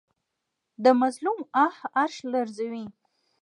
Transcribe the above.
د مظلوم آه عرش لرزوي